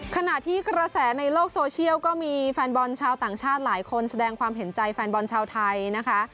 ขณะที่กระแสในโลกโซเชียลก็มีแฟนบอลชาวต่างชาติหลายคนแสดงความเห็นใจแฟนบอลชาวไทยนะคะ